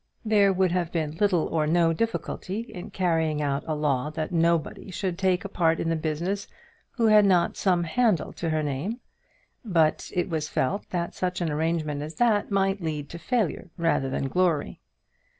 There would have been little or no difficulty in carrying out a law that nobody should take a part in the business who had not some handle to her name, but it was felt that such an arrangement as that might lead to failure rather than glory.